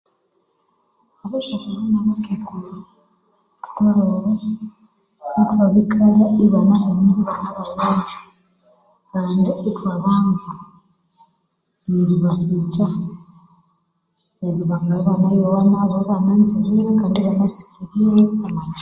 Abasyakulhu na bakekulhu thutholere ithwabikalya ibanahenirye ibane bayonjo kandi ithwabanza neribasikya neryo bangayowa ibananzibirwe ibanasikibirwe ndeke